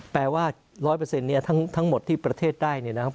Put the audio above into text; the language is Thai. แปลว่า๑๐๐ทั้งหมดที่ประเทศได้นะครับ